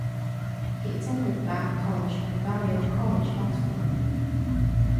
He attended Bath College and Balliol College, Oxford.